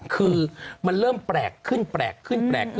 คือมันเริ่มแปลกขึ้น